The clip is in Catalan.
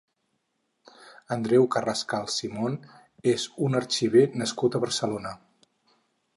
Andreu Carrascal Simon és un arxiver nascut a Barcelona.